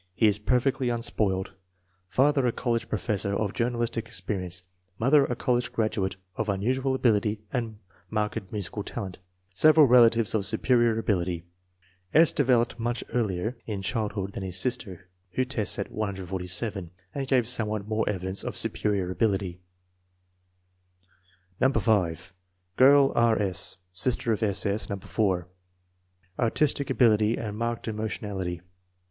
He is perfectly unspoiled. Father a college professor of journalistic experience; mother a college graduate of unusual ability and marked musical talent. Several relatives of superior ability, S. developed much earlier 302 INTELLIGENCE OF SCHOOL CHILDBEN in childhood than his sister (who tests at 147) and gave somewhat more evidence of superior ability* No. 5. Girl: R. S. Sister of S. S., No. 4. Artis tic ability and marked emotionality.